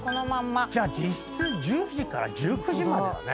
実質１０時から１９時までだね。